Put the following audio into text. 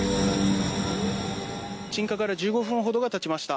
鎮火から１５分ほどがたちました。